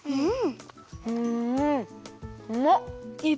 うん。